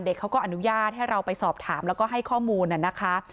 เขาก็อนุญาตให้เราไปสอบถามแล้วก็ให้ข้อมูลน่ะนะคะ